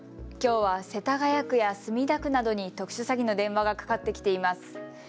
きょうは世田谷区や墨田区などに特殊詐欺の電話がかかってきています。